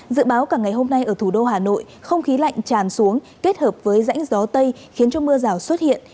dự báo cả ngày hôm nay ở thủ đô hà nội không khí lạnh tràn xuống kết hợp với rãnh gió tây khiến cho mưa rào xuất hiện